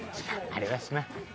あれはすまん。